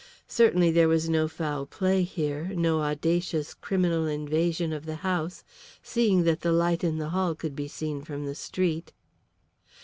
Certainly there was no foul play here, no audacious criminal invasion of the house, seeing that the light in the hall could be seen from the street.